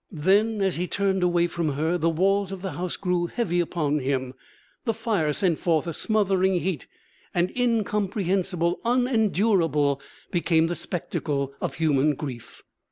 Then, as he turned away from her, the walls of the house grew heavy upon him, the fire sent forth a smothering heat, and incomprehensible, unendurable became the spectacle of human grief.